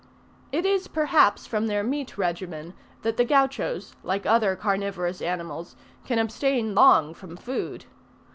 It is, perhaps, from their meat regimen that the Gauchos, like other carnivorous animals, can abstain long from food.